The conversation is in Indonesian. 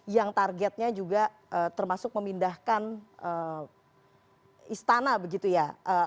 yang targetnya juga termasuk memindahkan istana begitu ya